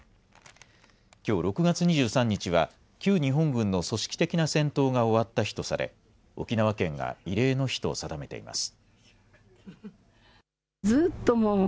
きょう６月２３日は旧日本軍の組織的な戦闘が終わった日とされ沖縄県が慰霊の日と定めています。